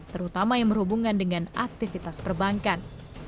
terutama yang berhubungan dengan aktivitas perbankan